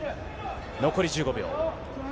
残り１５秒。